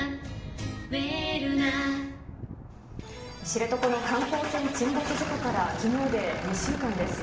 知床の観光船沈没事故から、きのうで２週間です。